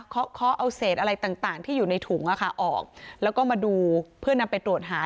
เขาเคาะเอาเศษอะไรต่างที่อยู่ในถุงออกแล้วก็มาดูเพื่อนำไปตรวจหา